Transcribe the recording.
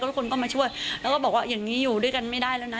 ทุกคนก็มาช่วยแล้วก็บอกว่าอย่างนี้อยู่ด้วยกันไม่ได้แล้วนะ